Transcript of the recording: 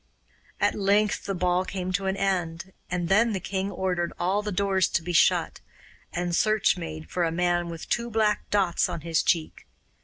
At length the ball came to an end, and then the king ordered all the doors to be shut, and search made for a man with two black dots on his cheek.